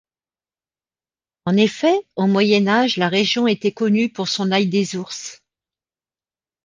En effet, au Moyen Âge la région était connue pour son ail des ours.